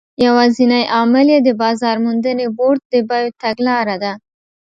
یوازینی عامل یې د بازار موندنې بورډ د بیو تګلاره ده.